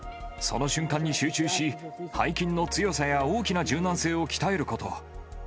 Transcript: その瞬間に集中し、背筋の強さや、大きな柔軟性を鍛えること。